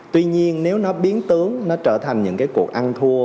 tuy nhiên nếu nó biến tướng nó trở thành những cái cuộc ăn thua